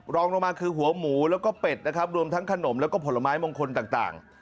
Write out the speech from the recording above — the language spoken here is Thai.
รองลงมาคือหัวหมูแล้วก็เป็ดนะครับรวมทั้งขนมแล้วก็ผลไม้มงคลต่าง